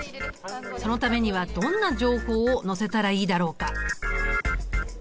そのためにはどんな情報を載せたらいいだろうか？